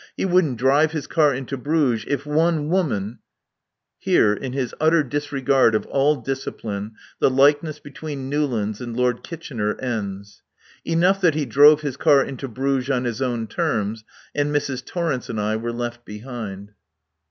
He wouldn't drive his car into Bruges if one woman Here, in his utter disregard of all discipline, the likeness between Newlands and Lord Kitchener ends. Enough that he drove his car into Bruges on his own terms, and Mrs. Torrence and I were left behind.